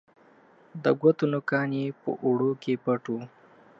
د ګوتو نوکان یې په اوړو کې پټ وه